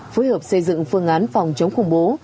phối hợp xây dựng phương án phòng chống khủng bố